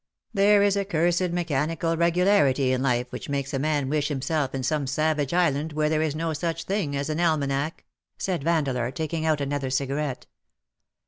There is a cursed mechanical regularity in life which makes a man wish himself in some savage island where there is no such thing as an almanack/' said "WITH A PALE YET STEADY FACe/' 261 Vandeleur, taking out another cigarette.